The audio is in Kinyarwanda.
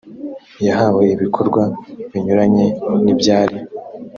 yahawe ibikorwa binyuranye n ibyari